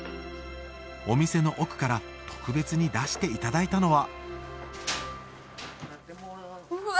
お店の奥から特別に出していただいたのはうわ！